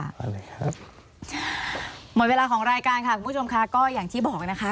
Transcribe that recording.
อะไรครับหมดเวลาของรายการค่ะคุณผู้ชมค่ะก็อย่างที่บอกนะคะ